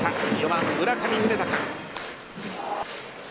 ４番・村上宗隆。